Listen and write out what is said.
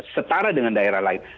setara dengan daerah lain